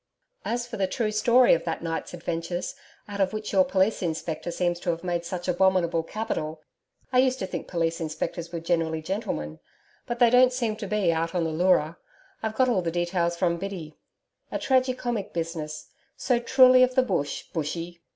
As for the true story of that night's adventures, out of which your Police Inspector seems to have made such abominable capital I used to think Police Inspectors were generally gentlemen but they don't seem to be, out on the Leura I've got all the details from Biddy. A tragi comic business so truly of the Bush, Bushy!